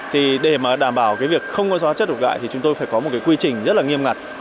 thì để mà đảm bảo cái việc không có hóa chất độc hại thì chúng tôi phải có một cái quy trình rất là nghiêm ngặt